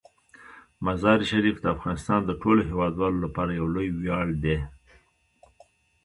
مزارشریف د افغانستان د ټولو هیوادوالو لپاره یو لوی ویاړ دی.